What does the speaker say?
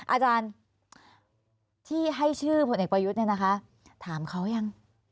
อาจารย์ที่ให้ชื่อพลเอกประยุทธ์เนี่ยนะคะถามเขายัง